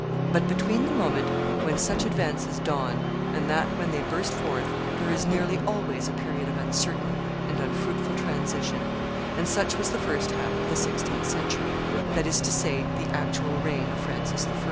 But between the moment when such advances dawn and that when they burst forth there is nearly always a period of uncertain and unfruitful transition: and such was the first half of the sixteenth century, that is to say, the actual reign of Francis I.